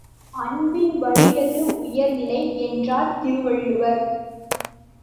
அன்பின் வழியது உயர்நிலை என்றார் திருவள்ளுவர்.